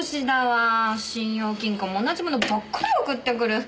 信用金庫も同じものばっかり送ってくる。